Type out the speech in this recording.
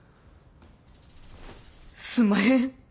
すんまへん。